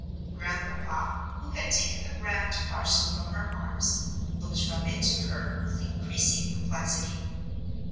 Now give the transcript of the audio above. Grandpapa, who had taken the round parcel from her arms, looked from it to her with increasing perplexity.